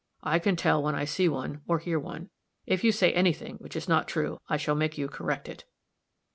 I can tell when I see one, or hear one. If you say any thing which is not true, I shall make you correct it."